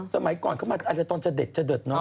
สมัยก่อนเขามาอาจจะเด็ดเนอะ